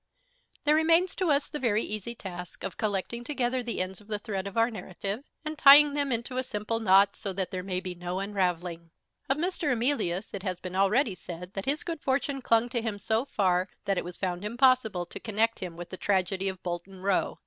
There remains to us the very easy task of collecting together the ends of the thread of our narrative, and tying them into a simple knot, so that there may be no unravelling. Of Mr. Emilius it has been already said that his good fortune clung to him so far that it was found impossible to connect him with the tragedy of Bolton Row.